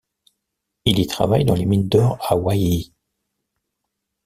Il y travaille dans les mines d'or à Waihi.